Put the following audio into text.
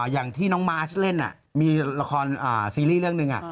อย่างที่น้องมาร์ชเล่นมีละครซีรีส์เรื่องหนึ่ง